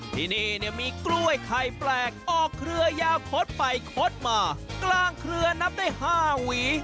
ที่นี่เนี่ยมีกล้วยไข่แปลกออกเครือยาวคดไปคดมากลางเครือนับได้๕หวี